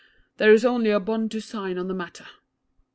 There is only a bond to sign on the matter."